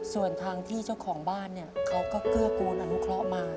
ส่วนทางที่เจ้าของบ้านเนี่ยเขาก็เกื้อกูลอนุเคราะห์มา